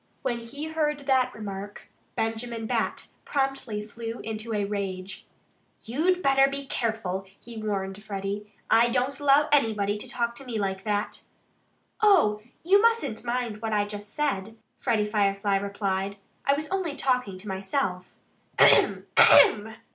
"When he heard that remark Benjamin Bat promptly flew into a rage. "You'd better be careful!" he warned Freddie. "I don't allow anybody to talk to me like that." "Oh! You mustn't mind what I just said," Freddie Firefly replied. "I was only talking to myself AHEM AHEM!"